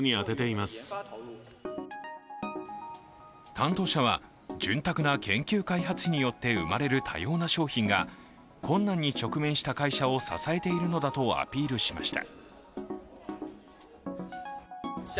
担当者は、潤沢な研究開発費によって生まれる多様な商品が困難に直面した会社を支えているのだとアピールしました。